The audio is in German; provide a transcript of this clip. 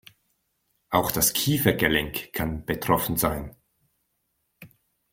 Auch das Kiefergelenk kann betroffen sein.